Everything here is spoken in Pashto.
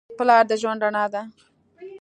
پلار د ژوند رڼا ده.